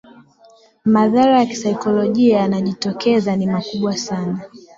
madhara ya kisaikolojia yanayojitokeza ni makubwa sana